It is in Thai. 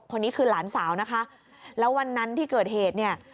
คนนี้คือหลานสาวนะคะแล้ววันนั้นที่เกิดเหตุเนี่ย